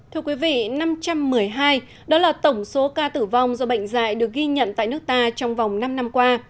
thưa quý vị năm trăm một mươi hai đó là tổng số ca tử vong do bệnh dạy được ghi nhận tại nước ta trong vòng năm năm qua